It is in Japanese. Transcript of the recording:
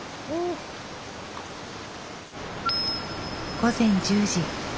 午前１０時。